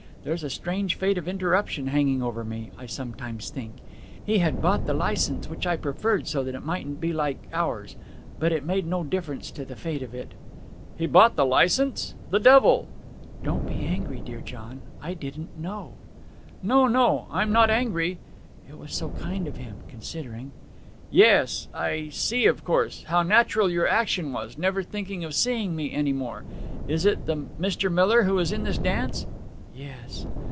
There's a strange fate of interruption hanging over me, I sometimes think! He had bought the licence, which I preferred so that it mightn't be like ours. But it made no difference to the fate of it.' 'Had bought the licence! The devil!' 'Don't be angry, dear John. I didn't know!' 'No, no, I'm not angry.' 'It was so kind of him, considering!' 'Yes ... I see, of course, how natural your action was never thinking of seeing me any more! Is it the Mr. Miller who is in this dance?' 'Yes.'